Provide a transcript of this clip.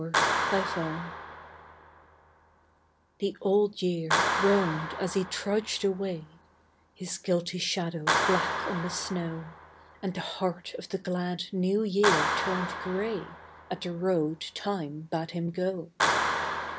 BLOOD ROAD THE Old Year groaned as he trudged away, His guilty shadow black on the snow, And the heart of the glad New Year turned grey At the road Time bade him go.